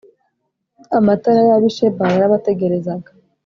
amatara y’ab’i sheba yarabategerezaga